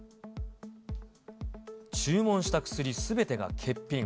注文した薬すべてが欠品。